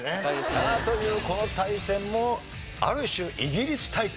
さあというこの対戦もある種イギリス対戦。